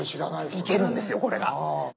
いけるんですよこれが。